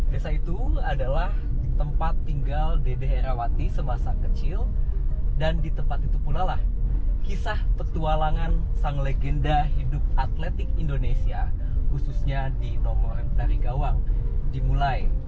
desa itu adalah tempat tinggal dede herawati semasa kecil dan di tempat itu pula lah kisah petualangan sang legenda hidup atletik indonesia khususnya di nomor tari gawang dimulai